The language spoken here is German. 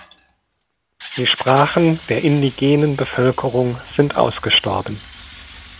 Die Sprachen der indigenen Bevölkerung sind ausgestorben.